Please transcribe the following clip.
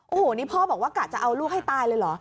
โอ้โหนี่พ่อบอกว่ากะจะเอาลูกให้ตายเลยเหรอ